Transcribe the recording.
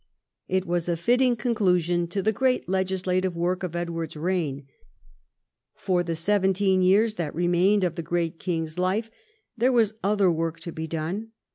It was a fitting 134 EDWARD I chap, vii conclusion to the great legislative work of Edward's reign. For the seventeen years that remained of the great king's life, there was other work to be done.